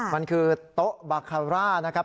มันคือโต๊ะบาคาร่านะครับ